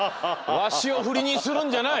わしをフリにするんじゃない！